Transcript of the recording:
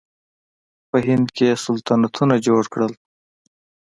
په هند کې یې سلطنتونه جوړ کړل.